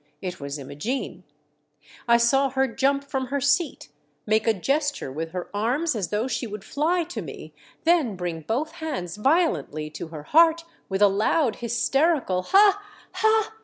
It was Imogene, I saw her jump from her seat, make a gesture with her arms as though she would fly to me, then bring both hands violently to her heart with a loud hysterical ha ! ha